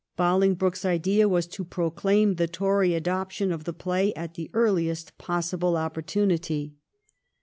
Bohng broke's idea was to proclaim the Tory adoption of the play at the earUest possible opportunity.